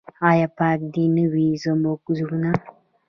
آیا پاک دې نه وي زموږ زړونه؟